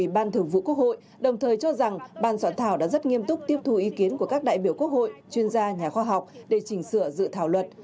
bàn soạn thảo đã rất nghiêm túc tiếp thù ý kiến của các đại biểu quốc hội chuyên gia nhà khoa học để chỉnh sửa dự thảo luật